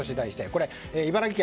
これ、茨城県